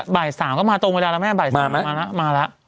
บ่าย๓ก็มาตรงกันแล้วแม่บ่าย๓มาละ